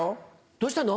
どうしたの？